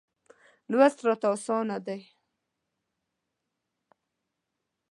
لوست راته اسانه دی.